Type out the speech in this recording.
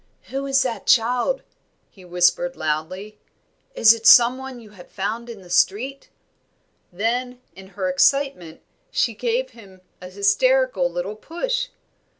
"Who is that child?" he whispered, loudly. "Is it some one you have found in the street?" Then, in her excitement, she gave him an hysterical little push.